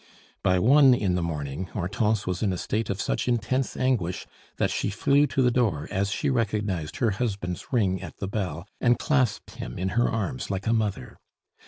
By one in the morning Hortense was in a state of such intense anguish, that she flew to the door as she recognized her husband's ring at the bell, and clasped him in her arms like a mother.